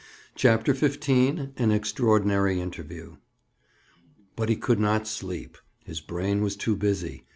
CHAPTER XV—AN EXTRAORDINARY INTERVIEW But he could not sleep; his brain was too busy.